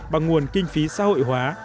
bằng nguồn kinh phí xã hội hóa